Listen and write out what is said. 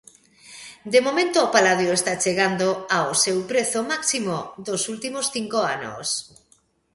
De momento o paladio está chegando ao seu prezo máximo dos últimos cinco anos.